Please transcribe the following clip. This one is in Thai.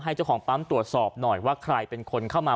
เจ้าของปั๊มตรวจสอบหน่อยว่าใครเป็นคนเข้ามา